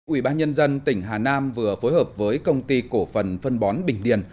ủy ban nhân dân tỉnh hà nam vừa phối hợp với công ty cổ phần phân bón bình điền